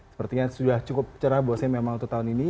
sepertinya sudah cukup cerah buat saya untuk tahun ini